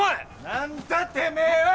何だてめぇは！